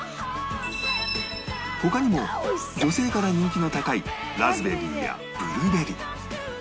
他にも女性から人気の高いラズベリーやブルーベリー